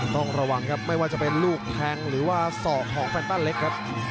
ต้องระวังครับไม่ว่าจะเป็นลูกแทงหรือว่าศอกของแฟนต้าเล็กครับ